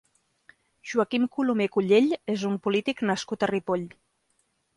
Joaquim Colomer Cullell és un polític nascut a Ripoll.